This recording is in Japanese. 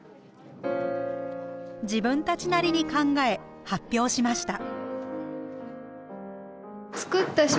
自分たちなりに考え発表しました。